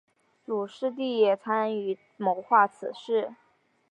卢师谛也参与谋划此事。